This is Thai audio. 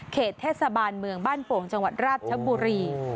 เหตุเทศบาลเมืองบ้านโป่งจังหวัดราชบุรี